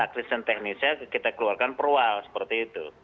taklisan teknisnya kita keluarkan perual seperti itu